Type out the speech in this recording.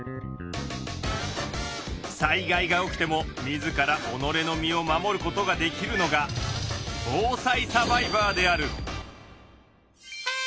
災害が起きてもみずからおのれの身を守ることができるのが防災サバイバーである！